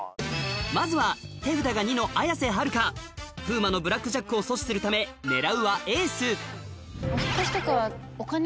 まずは手札が２の綾瀬はるか風磨のブラックジャックを阻止するため狙うはエース引っ越しとかは。